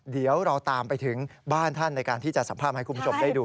เดี๋ยวเราตามไปถึงบ้านท่านในการที่จะสัมภาษณ์ให้คุณผู้ชมได้ดู